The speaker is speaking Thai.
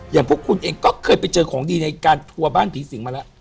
พวกคุณเองก็เคยไปเจอของดีในการทัวร์บ้านผีสิงมาแล้ว